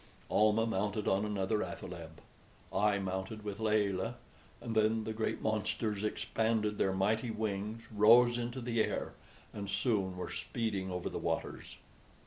Almah mounted on another athaleb. I mounted with Layelah, and then the great monsters expanded their mighty wings, rose into the air, and soon were speeding over the waters.